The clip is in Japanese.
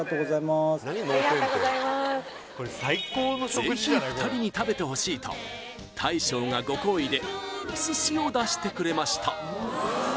ぜひ２人に食べてほしいと大将がご好意でお寿司を出してくれました